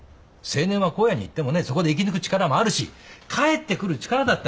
青年は荒野に行ってもねそこで生きぬく力もあるし帰ってくる力だってあるんですよ。